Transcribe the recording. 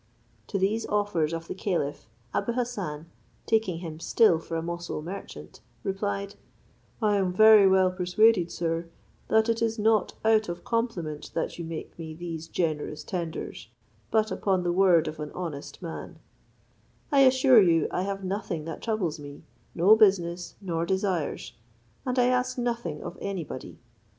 To these offers of the caliph, Abou Hassan, taking him still for a Moussul merchant, replied, "I am very well persuaded, sir, that it is not out of compliment that you make me these generous tenders; but upon the word of an honest man, I assure you, I have nothing that troubles me, no business, nor desires, and I ask nothing of any body.